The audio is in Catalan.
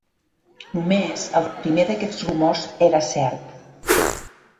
Només el primer d'aquests rumors era cert